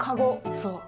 そう。